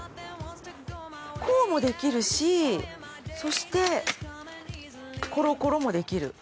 こうもできるしそしてコロコロもできる。